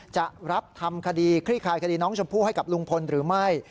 จะรับทำคดีคลี่คลายคดีน้องชมพู่ให้กับลุงพลหรือไม่